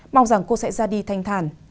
mong rằng cô sẽ ra đi thanh thản